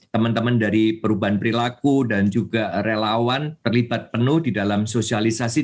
teman teman dari perubahan perilaku dan juga relawan terlibat penuh di dalam sosialisasi